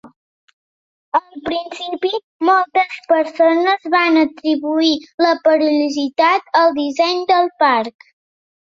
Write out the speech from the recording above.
Al principi, moltes persones van atribuir la perillositat al disseny del parc.